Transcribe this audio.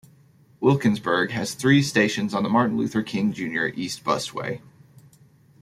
Wilkinsburg has three stations on the Martin Luther King Junior East Busway.